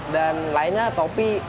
dan lainnya topi